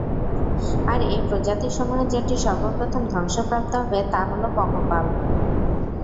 আর এ প্রজাতিসমূহের যেটি সর্বপ্রথম ধ্বংসপ্রাপ্ত হবে, তা হলো পঙ্গপাল।